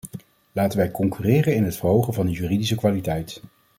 Laten wij concurreren in het verhogen van de juridische kwaliteit.